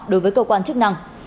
đối với cơ quan chức năng